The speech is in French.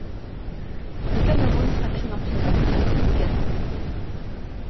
Le Cameroun s'incline en finale contre le Ghana.